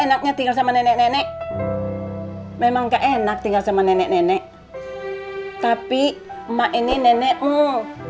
enaknya tinggal sama nenek nenek memang keenak tinggal sama nenek nenek tapi emak ini nenekmu